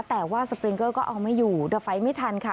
แต่ว่าสปริงเกอร์ก็เอาไม่อยู่ดับไฟไม่ทันค่ะ